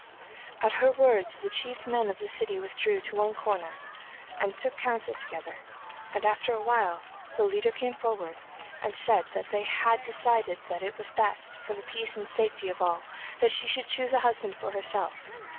At her words the chief men of the city withdrew into one corner and took counsel together, and after a while the leader came forward and said that they had decided that it was best, for the peace and safety of all, that she should choose a husband for herself.